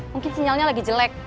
mungkin sinyalnya lagi jelek